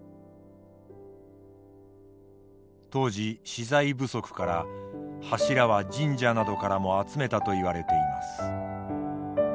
当時資材不足から柱は神社などからも集めたといわれています。